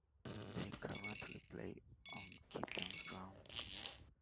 They currently play on the Kintons ground.